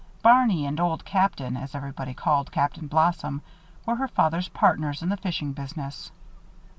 Barney and "Old Captain," as everybody called Captain Blossom, were her father's partners in the fishing business.